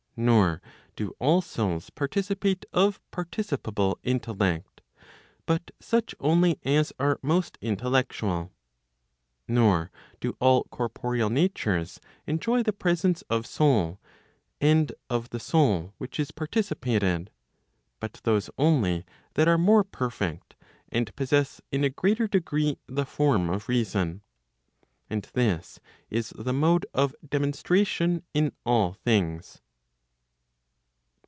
Nor do all souls participate of participate intellect, * but such only as are most intellectual. Nor do all corporeal natures enjoy the presence of soul, and of the soul which is participated, but those only that are more perfect, and possess in a greater degree the form of reason. And this is the mode of demonstration in all things.